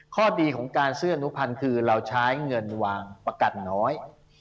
ข้อดีของการซื้ออนุพันธ์คือเราใช้เงินวางประกันน้อย